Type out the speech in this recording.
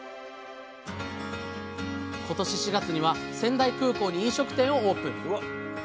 今年４月には仙台空港に飲食店をオープン。